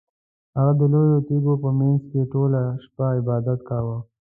هغه د لویو تیږو په مینځ کې ټوله شپه عبادت کاوه.